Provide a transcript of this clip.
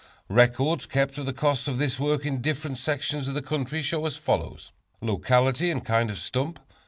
Records kept of the cost of this work in different sections of the country show as follows: Locality and Kind of Stump.